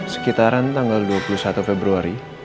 sekitaran tanggal dua puluh satu februari